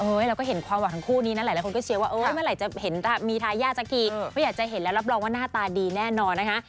เราก็เห็นความหวังทั้งคู่นี้นะหลายคนก็เชียร์ว่าเมื่อไหร่จะเห็นมีทายาทสักทีเพราะอยากจะเห็นแล้วรับรองว่าหน้าตาดีแน่นอนนะคะ